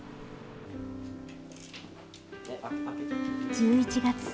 １１月。